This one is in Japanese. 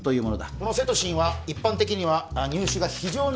このセトシンは一般的には入手が非常に困難なものだが